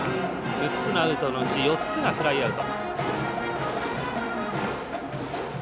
６つのアウトのうち５つがフライアウト。